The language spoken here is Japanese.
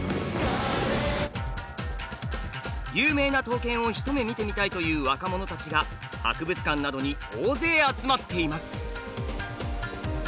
有名な刀剣を一目見てみたいという若者たちが博物館などに大勢集まっています。